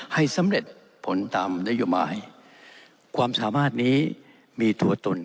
ให้สำเร็จผลตามนโยบายความสามารถนี้มีตัวตน